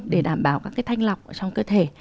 để đảm bảo các cái thanh lọc trong cơ thể